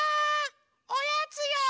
おやつよ！